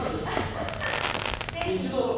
一度。